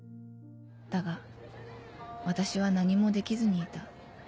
だが私は何もできずにいた